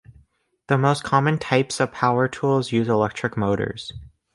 The most common types of power tools use electric motors.